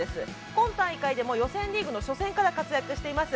今大会でも予選リーグ初戦から活躍しています。